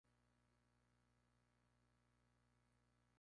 Los muros están fabricados con cajas de madera rellenas de tierra o piedras.